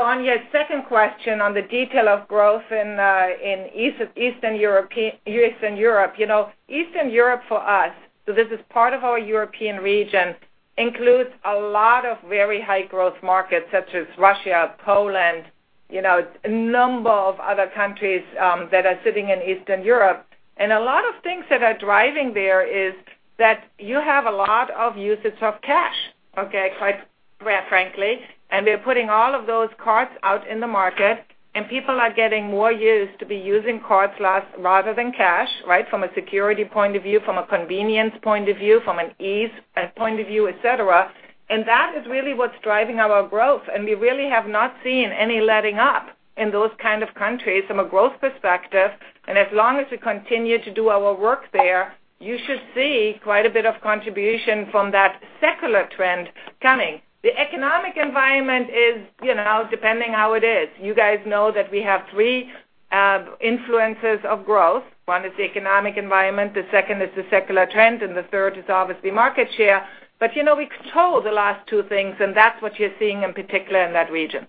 your second question on the detail of growth in Eastern Europe. Eastern Europe for us, this is part of our European region, includes a lot of very high-growth markets such as Russia, Poland, a number of other countries that are sitting in Eastern Europe. A lot of things that are driving there is that you have a lot of usage of cash, quite frankly, and we are putting all of those cards out in the market, and people are getting more used to be using cards rather than cash from a security point of view, from a convenience point of view, from an ease point of view, et cetera. That is really what's driving our growth, and we really have not seen any letting up in those kind of countries from a growth perspective. As long as we continue to do our work there, you should see quite a bit of contribution from that secular trend coming. The economic environment is depending how it is. You know that we have 3 influences of growth. 1 is the economic environment, the second is the secular trend, and the third is obviously market share. We control the last 2 things, and that's what you're seeing in particular in that region.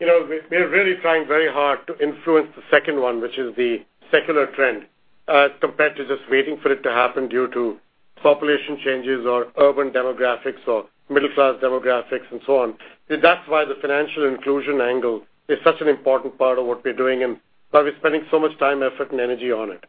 We're really trying very hard to influence the second one, which is the secular trend, compared to just waiting for it to happen due to population changes or urban demographics or middle-class demographics and so on. That's why the financial inclusion angle is such an important part of what we're doing and why we're spending so much time, effort, and energy on it.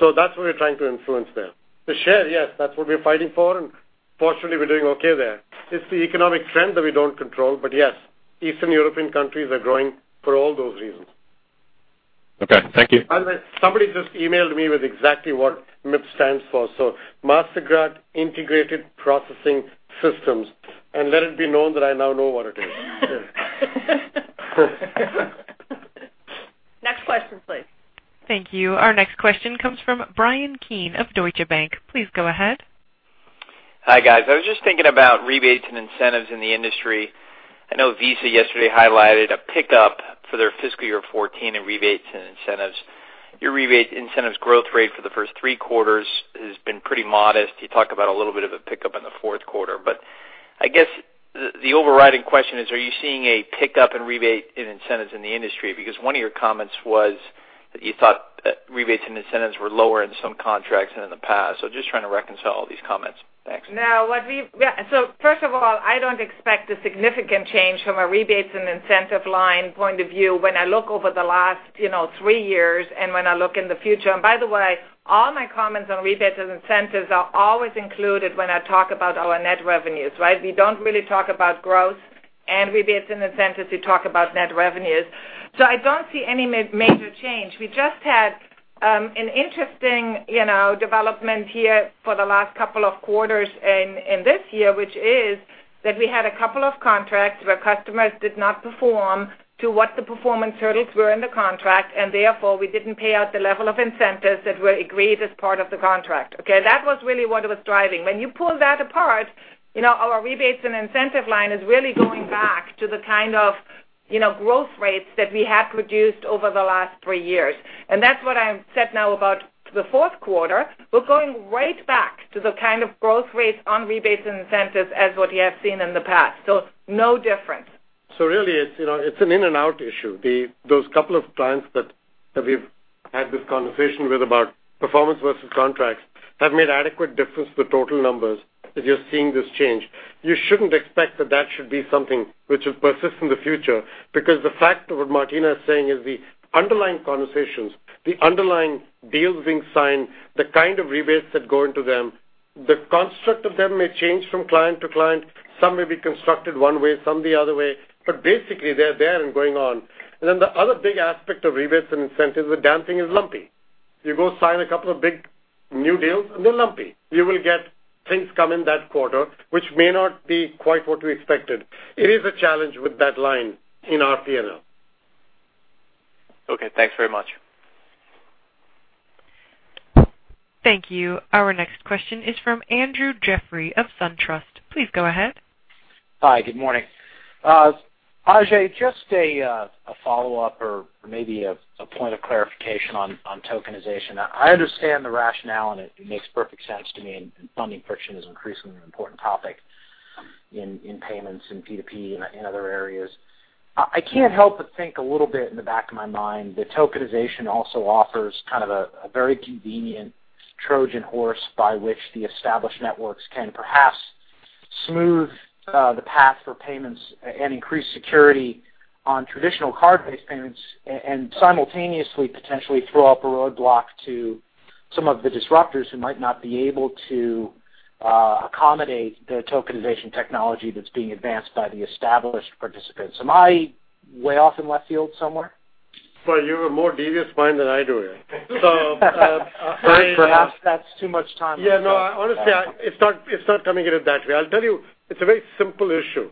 That's what we're trying to influence there. The share, yes, that's what we're fighting for, and fortunately, we're doing okay there. It's the economic trend that we don't control, yes, Eastern European countries are growing for all those reasons. Okay, thank you. Somebody just emailed me with exactly what MIPS stands for. Mastercard Integrated Processing Solutions. Let it be known that I now know what it is. Next question, please. Thank you. Our next question comes from Bryan Keane of Deutsche Bank. Please go ahead. Hi, guys. I was just thinking about rebates and incentives in the industry. I know Visa yesterday highlighted a pickup for their fiscal year 2014 in rebates and incentives. You talk about a little bit of a pickup in the fourth quarter, but I guess the overriding question is, are you seeing a pickup in rebate and incentives in the industry? Because one of your comments was that you thought rebates and incentives were lower in some contracts than in the past. Just trying to reconcile all these comments. Thanks. First of all, I don't expect a significant change from a rebates and incentive line point of view when I look over the last three years and when I look in the future. By the way, all my comments on rebates and incentives are always included when I talk about our net revenues. We don't really talk about growth and rebates and incentives. We talk about net revenues. I don't see any major change. We just had an interesting development here for the last couple of quarters in this year, which is that we had a couple of contracts where customers did not perform to what the performance hurdles were in the contract, and therefore, we didn't pay out the level of incentives that were agreed as part of the contract. Okay. That was really what it was driving. When you pull that apart, our rebates and incentive line is really going back to the kind of growth rates that we have produced over the last three years. That's what I said now about the fourth quarter. We're going right back to the kind of growth rates on rebates and incentives as what you have seen in the past. No difference. Really, it's an in-and-out issue. Those couple of clients that we've had this conversation with about performance versus contracts have made adequate difference to the total numbers that you're seeing this change. You shouldn't expect that that should be something which will persist in the future because the fact of what Martina is saying is the underlying conversations, the underlying deals being signed, the kind of rebates that go into them, the construct of them may change from client to client. Some may be constructed one way, some the other way. Basically, they're there and going on. Then the other big aspect of rebates and incentives, the damn thing is lumpy. You go sign a couple of big new deals, and they're lumpy. You will get things come in that quarter, which may not be quite what we expected. It is a challenge with that line in our P&L. Okay, thanks very much. Thank you. Our next question is from Andrew Jeffrey of SunTrust. Please go ahead. Hi, good morning. Ajay, just a follow-up or maybe a point of clarification on tokenization. I understand the rationale, and it makes perfect sense to me, and funding friction is an increasingly important topic in payments in P2P and other areas. I can't help but think a little bit in the back of my mind that tokenization also offers kind of a very convenient Trojan horse by which the established networks can perhaps smooth the path for payments and increase security on traditional card-based payments, and simultaneously potentially throw up a roadblock to some of the disruptors who might not be able to accommodate the tokenization technology that's being advanced by the established participants. Am I way off in left field somewhere? Well, you have a more devious mind than I do. Perhaps that's too much time. Yeah. No. Honestly, it's not coming at it that way. I'll tell you, it's a very simple issue.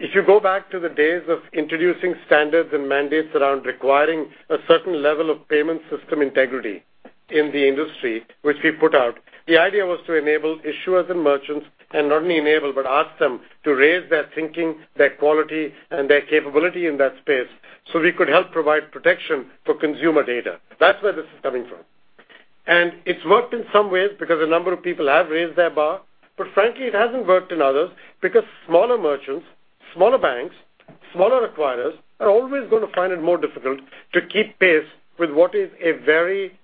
If you go back to the days of introducing standards and mandates around requiring a certain level of payment system integrity in the industry, which we put out, the idea was to enable issuers and merchants, not only enable, but ask them to raise their thinking, their quality, and their capability in that space so we could help provide protection for consumer data. That's where this is coming from. It's worked in some ways because a number of people have raised their bar. Frankly, it hasn't worked in others because smaller merchants, smaller banks, smaller acquirers are always going to find it more difficult to keep pace with what is a very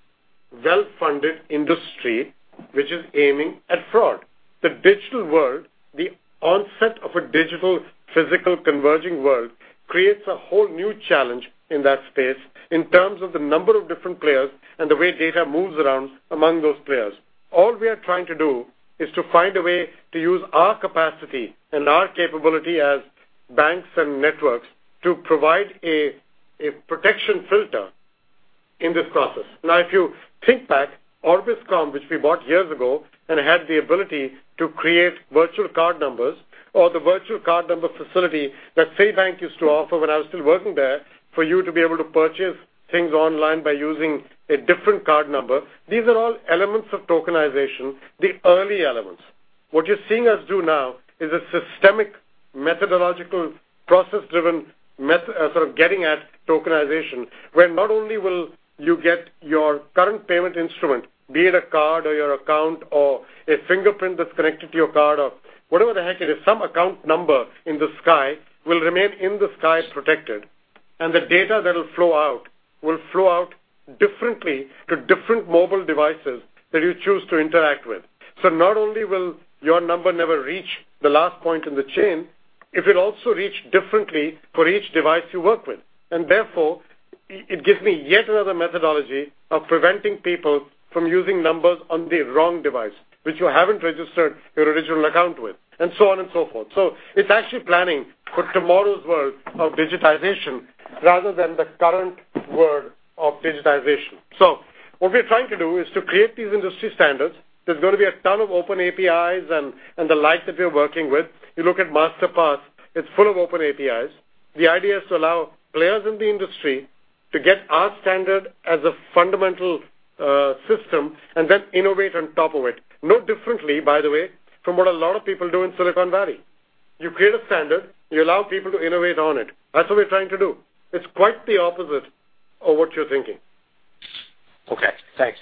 well-funded industry, which is aiming at fraud. The digital world, the onset of a digital, physical converging world, creates a whole new challenge in that space in terms of the number of different players and the way data moves around among those players. All we are trying to do is to find a way to use our capacity and our capability as banks and networks to provide a protection filter in this process. If you think back, Orbiscom, which we bought years ago and had the ability to create virtual card numbers or the virtual card number facility that Citibank used to offer when I was still working there, for you to be able to purchase things online by using a different card number. These are all elements of tokenization, the early elements. What you're seeing us do now is a systemic, methodological, process-driven method of getting at tokenization, where not only will you get your current payment instrument, be it a card or your account or a fingerprint that's connected to your card or whatever the heck it is, some account number in the sky will remain in the sky protected, and the data that will flow out will flow out differently to different mobile devices that you choose to interact with. Not only will your number never reach the last point in the chain, it will also reach differently for each device you work with. Therefore, it gives me yet another methodology of preventing people from using numbers on the wrong device, which you haven't registered your original account with, and so on and so forth. It's actually planning for tomorrow's world of digitization rather than the current world of digitization. What we're trying to do is to create these industry standards. There's going to be a ton of open APIs and the like that we're working with. You look at Masterpass, it's full of open APIs. The idea is to allow players in the industry to get our standard as a fundamental system and then innovate on top of it. No differently, by the way, from what a lot of people do in Silicon Valley. You create a standard, you allow people to innovate on it. That's what we're trying to do. It's quite the opposite of what you're thinking. Okay, thanks.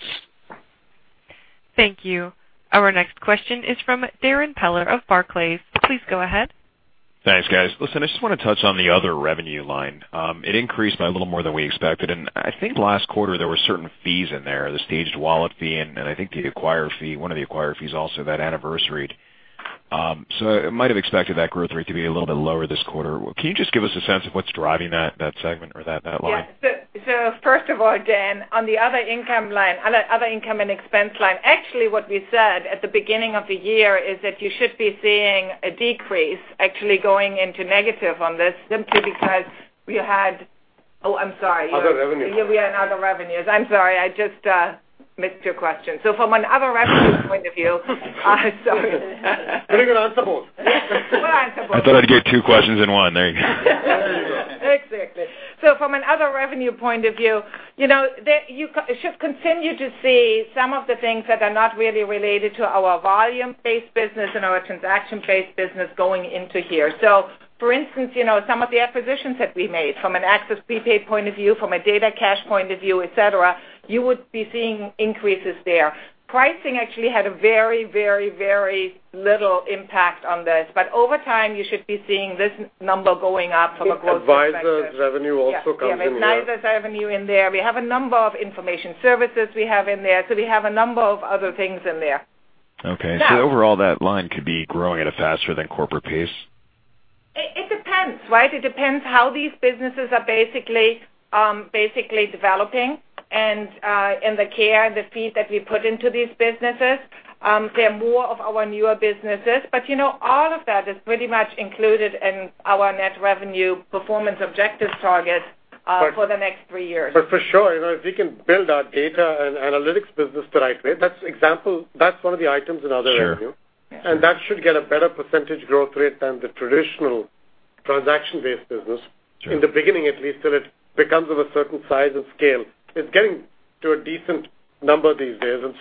Thank you. Our next question is from Darrin Peller of Barclays. Please go ahead. Thanks, guys. Listen, I just want to touch on the other revenue line. It increased by a little more than we expected, and I think last quarter, there were certain fees in there, the Staged wallet fee, and I think the acquirer fee, one of the acquirer fees also that anniversaried. I might have expected that growth rate to be a little bit lower this quarter. Can you just give us a sense of what's driving that segment or that line? Yes. First of all, Dan, on the other income and expense line, actually, what we said at the beginning of the year is that you should be seeing a decrease actually going into negative on this simply because we had Oh, I'm sorry. Other revenues. Yeah, we had other revenues. I'm sorry, I just missed your question. From an other revenue point of view. Sorry. You can answer both. We'll answer both. I thought I'd get two questions in one. There you go. Exactly. From an other revenue point of view, you should continue to see some of the things that are not really related to our volume-based business and our transaction-based business going into here. For instance, some of the acquisitions that we made from an Access Prepaid point of view, from a DataCash point of view, et cetera, you would be seeing increases there. Pricing actually had a very little impact on this. Over time, you should be seeing this number going up from a growth perspective. The Advisors revenue also comes in there. Yes. We have advisor's revenue in there. We have a number of information services we have in there. We have a number of other things in there. Okay. Overall, that line could be growing at a faster than corporate pace? It depends, right? It depends how these businesses are basically developing and the care, the feet that we put into these businesses. They're more of our newer businesses. All of that is pretty much included in our Net Revenue Performance Objective Target for the next three years. For sure, if we can build our data and analytics business the right way, that's one of the items in other revenue. Sure. That should get a better % growth rate than the traditional Transaction-based business. Sure. In the beginning at least, until it becomes of a certain size and scale. It's getting to a decent number these days, and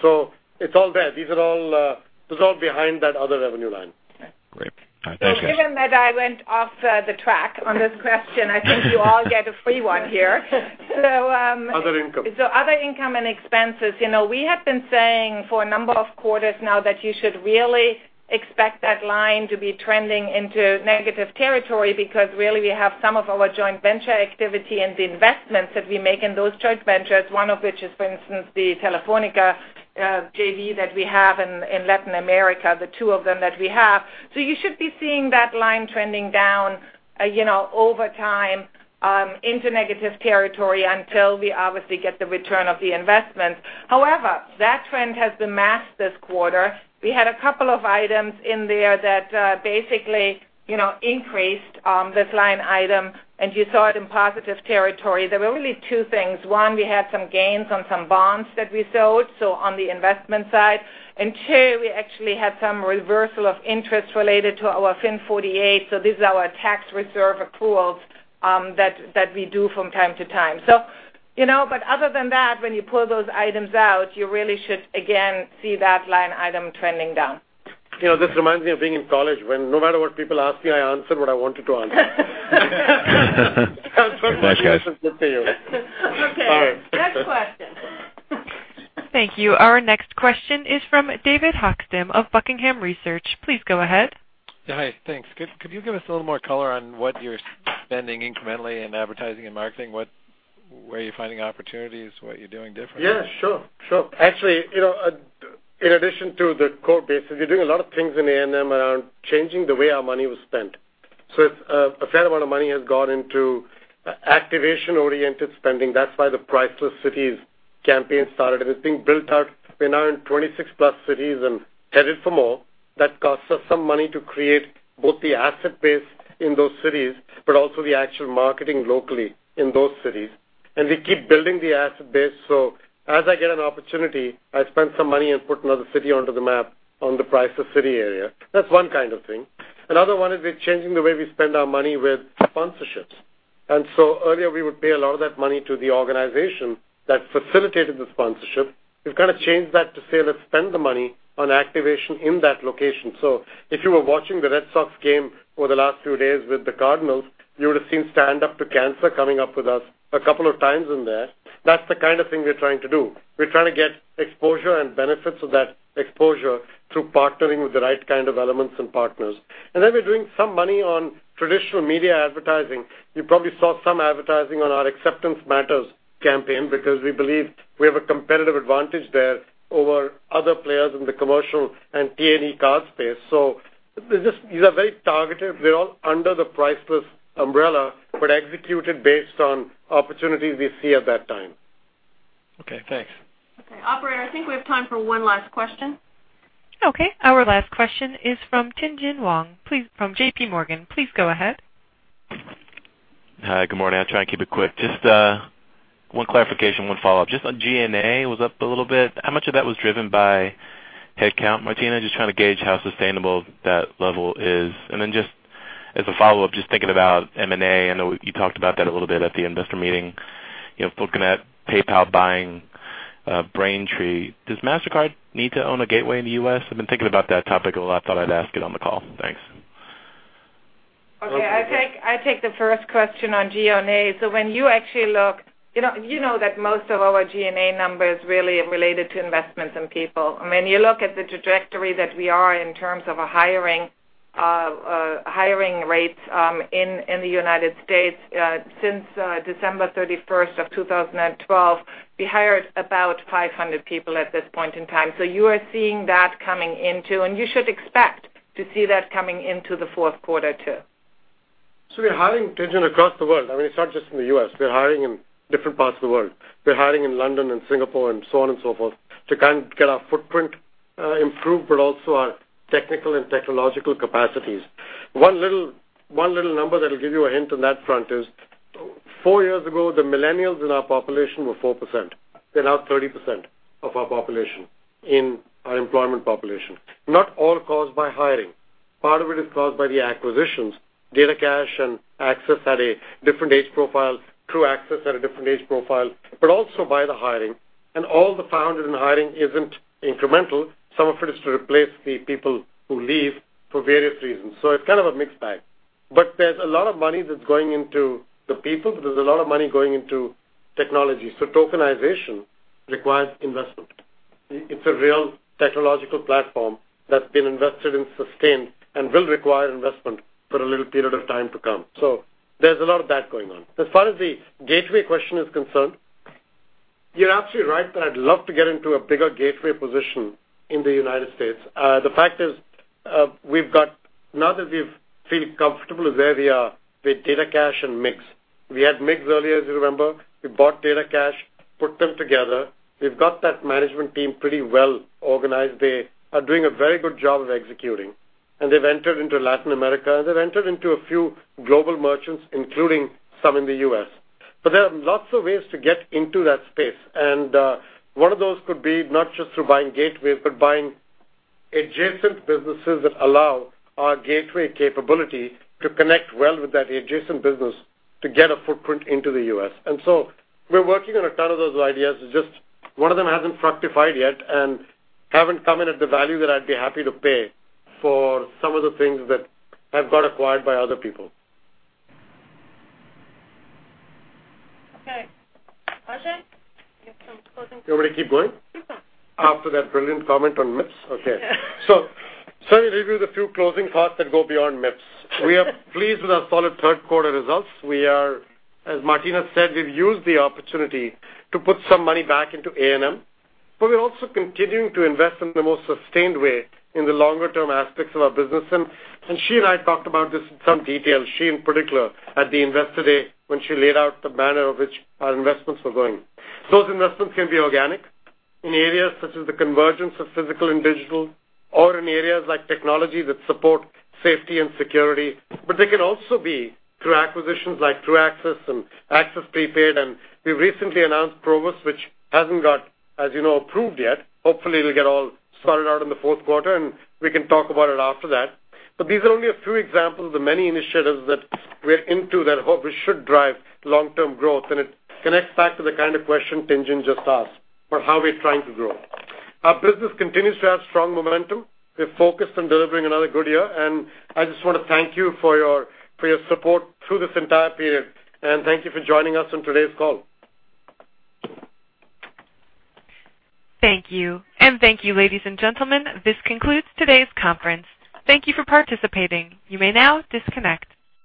it's all there. This is all behind that other revenue line. Great. All right, thank you. Well, given that I went off the track on this question. I think you all get a free one here. Other income. Other income and expenses. We have been saying for a number of quarters now that you should really expect that line to be trending into negative territory because really we have some of our joint venture activity and the investments that we make in those joint ventures, one of which is, for instance, the Telefónica JV that we have in Latin America, the two of them that we have. You should be seeing that line trending down over time into negative territory until we obviously get the return of the investment. However, that trend has been masked this quarter. We had a couple of items in there that basically increased this line item, and you saw it in positive territory. There were really two things. One, we had some gains on some bonds that we sold, so on the investment side. Two, we actually had some reversal of interest related to our FIN 48, so these are our tax reserve accruals that we do from time to time. Other than that, when you pull those items out, you really should again see that line item trending down. This reminds me of being in college when no matter what people ask me, I answered what I wanted to answer. Thanks, guys. That's what we used to say. Okay. All right. Next question. Thank you. Our next question is from David Hochstim of Buckingham Research. Please go ahead. Yeah, hi. Thanks. Could you give us a little more color on what you're spending incrementally in advertising and marketing? Where are you finding opportunities, what you're doing differently? Yeah, sure. Actually, in addition to the core business, we're doing a lot of things in A&M around changing the way our money was spent. A fair amount of money has gone into activation-oriented spending. That's why the Priceless Cities campaign started, and it's being built out. We're now in 26-plus cities and headed for more. That costs us some money to create both the asset base in those cities, but also the actual marketing locally in those cities. We keep building the asset base. As I get an opportunity, I spend some money and put another city onto the map on the Priceless City area. That's one kind of thing. Another one is, we're changing the way we spend our money with sponsorships. Earlier we would pay a lot of that money to the organization that facilitated the sponsorship. We've kind of changed that to say, let's spend the money on activation in that location. If you were watching the Red Sox game over the last few days with the Cardinals, you would've seen Stand Up to Cancer coming up with us a couple of times in there. That's the kind of thing we're trying to do. We're trying to get exposure and benefits of that exposure through partnering with the right kind of elements and partners. We're doing some money on traditional media advertising. You probably saw some advertising on our Acceptance Matters campaign because we believed we have a competitive advantage there over other players in the commercial and T&E card space. These are very targeted. They're all under the Priceless umbrella, but executed based on opportunities we see at that time. Okay, thanks. Okay, operator, I think we have time for one last question. Okay. Our last question is from Tien-tsin Huang from JP Morgan. Please go ahead. Hi, good morning. I'll try and keep it quick. Just one clarification, one follow-up. Just on G&A was up a little bit. How much of that was driven by headcount, Martina? Just trying to gauge how sustainable that level is. Then just as a follow-up, just thinking about M&A. I know you talked about that a little bit at the Investor Day. Looking at PayPal buying Braintree. Does Mastercard need to own a gateway in the U.S.? I've been thinking about that topic a lot. Thought I'd ask it on the call. Thanks. Okay. I'll take the first question on G&A. When you actually look, you know that most of our G&A numbers really are related to investments in people. When you look at the trajectory that we are in terms of our hiring rates in the U.S. since December 31st of 2012, we hired about 500 people at this point in time. You are seeing that coming into, and you should expect to see that coming into the fourth quarter too. We're hiring, Tien-tsin, across the world. It's not just in the U.S. We're hiring in different parts of the world. We're hiring in London and Singapore and so on and so forth to get our footprint improved, but also our technical and technological capacities. One little number that'll give you a hint on that front is, four years ago, the millennials in our population were 4%. They're now 30% of our population in our employment population. Not all caused by hiring. Part of it is caused by the acquisitions. DataCash and Access had a different age profile, Truaxis had a different age profile, but also by the hiring. All the founders in hiring isn't incremental. Some of it is to replace the people who leave for various reasons. It's kind of a mixed bag. There's a lot of money that's going into the people. There's a lot of money going into technology. Tokenization requires investment. It's a real technological platform that's been invested in sustained and will require investment for a little period of time to come. There's a lot of that going on. As far as the gateway question is concerned, you're absolutely right that I'd love to get into a bigger gateway position in the U.S. The fact is, now that we've feel comfortable with where we are with DataCash and MiGS. We had MiGS earlier, as you remember. We bought DataCash, put them together. We've got that management team pretty well organized. They are doing a very good job of executing. They've entered into Latin America, and they've entered into a few global merchants, including some in the U.S. There are lots of ways to get into that space. One of those could be not just through buying gateways, but buying adjacent businesses that allow our gateway capability to connect well with that adjacent business to get a footprint into the U.S. We're working on a ton of those ideas. It's just one of them hasn't fructified yet and haven't come in at the value that I'd be happy to pay for some of the things that have got acquired by other people. Okay. Ajay, you have some closing- You want me to keep going? Sure. After that brilliant comment on MIPS? Okay. Let me give you the few closing thoughts that go beyond MIPS. We are pleased with our solid third quarter results. As Martina said, we've used the opportunity to put some money back into A&M, but we're also continuing to invest in the most sustained way in the longer-term aspects of our business. She and I talked about this in some detail, she in particular, at the Investor Day when she laid out the manner of which our investments were going. Those investments can be organic in areas such as the convergence of physical and digital or in areas like technology that support safety and security. They can also be through acquisitions like Truaxis and Access Prepaid. We've recently announced Provus, which hasn't got, as you know, approved yet. Hopefully it'll get all sorted out in the fourth quarter, and we can talk about it after that. These are only a few examples of many initiatives that we're into that hope we should drive long-term growth. It connects back to the kind of question Tien-tsin just asked for how we're trying to grow. Our business continues to have strong momentum. We're focused on delivering another good year. I just want to thank you for your support through this entire period, and thank you for joining us on today's call. Thank you. Thank you, ladies and gentlemen. This concludes today's conference. Thank you for participating. You may now disconnect.